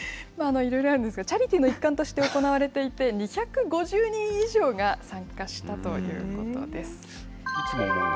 いろいろあるんですが、チャリティーの一環として行われていて、２５０人以上が参加したということです。